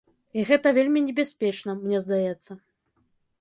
І гэта вельмі небяспечна, мне здаецца.